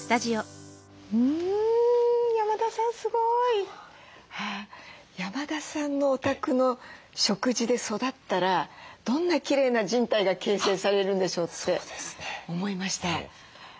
うん山田さんすごい！山田さんのお宅の食事で育ったらどんなきれいな人体が形成されるんでしょうって思いました。